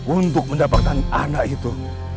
untuk mendapatkan anak itu